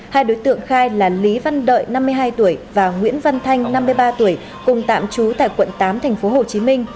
hai đối tượng khai là lý văn đợi năm mươi hai tuổi và nguyễn văn thanh năm mươi ba tuổi cùng tạm trú tại quận tám tp hcm